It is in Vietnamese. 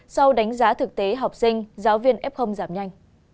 sau đánh giá thực tế học sinh giáo viên f giảm nhanh